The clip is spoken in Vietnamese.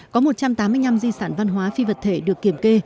có một trăm tám mươi năm di sản văn hóa phi vật thể được kiểm kê